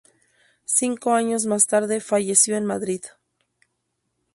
Cinco años más tarde falleció en Madrid.